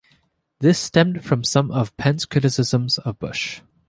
This stemmed from some of Penn's criticisms of Bush.